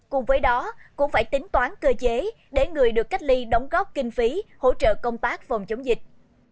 cùng với đó cũng phải tính toán cơ chế để người được cách ly đóng góp kinh phí hỗ trợ công tác phòng chống dịch